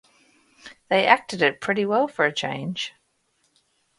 They acted it pretty well for a change.